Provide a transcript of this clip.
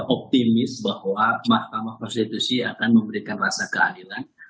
optimis bahwa mahkamah konstitusi akan memberikan rasa keadilan